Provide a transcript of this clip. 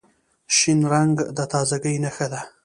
شین رنګ د تازګۍ نښه ده.